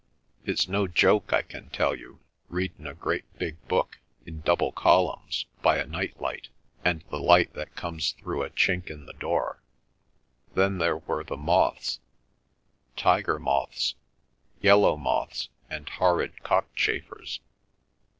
It's no joke, I can tell you, readin' a great big book, in double columns, by a night light, and the light that comes through a chink in the door. Then there were the moths—tiger moths, yellow moths, and horrid cockchafers.